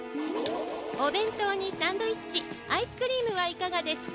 おべんとうにサンドイッチアイスクリームはいかがですか？